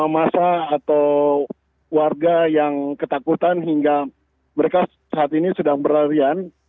masa atau warga yang ketakutan hingga mereka saat ini sedang berlarian